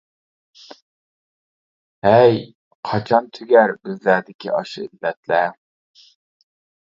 ھەي، قاچان تۈگەر بىزلەردىكى ئاشۇ ئىللەتلەر؟ .